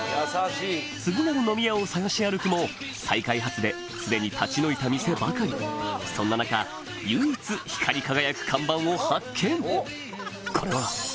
次なる飲み屋を探し歩くも再開発で既に立ち退いた店ばかりそんな中唯一光り輝く看板を発見